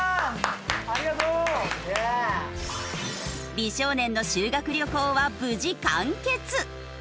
美少年の修学旅行は無事完結。